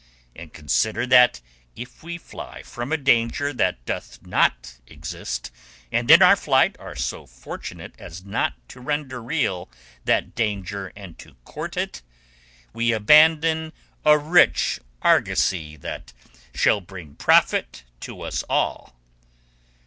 And consider that if we fly from a danger that doth not exist, and in our flight are so fortunate as not to render real that danger and to court it, we abandon a rich argosy that shall bring profit to us all."